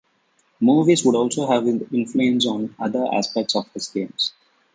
Movies would also have influence on other aspects of his games.